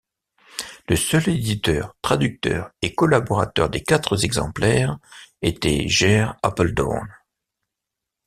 Le seul éditeur, traducteur et collaborateur des quatre exemplaires était Ger Apeldoorn.